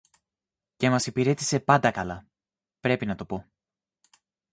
Και μας υπηρέτησε πάντα καλά, πρέπει να το πω